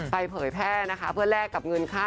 ไปเผยแฟ้เพื่อแลกกับเงินค่า